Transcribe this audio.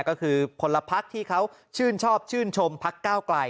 ก็คือคนละภักดิ์ที่เขาชื่นชอบชื่นชมภักดิ์ก้าวกลาย